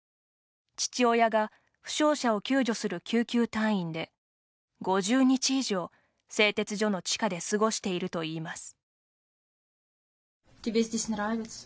父親が負傷者を救助する救急隊員で、５０日以上製鉄所の地下で過ごしているといいます。